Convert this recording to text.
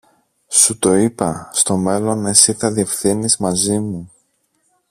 Σου το είπα, στο μέλλον εσύ θα διευθύνεις μαζί μου.